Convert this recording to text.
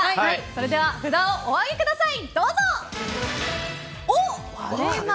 それでは札をお上げください。